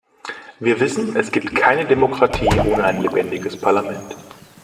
Wir wissen, es gibt keine Demokratie ohne ein lebendiges Parlament.